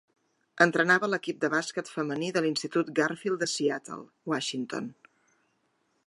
Entrenava l'equip de bàsquet femení de l'Institut Garfield de Seattle, Washington.